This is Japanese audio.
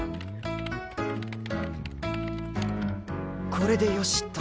これでよしっと。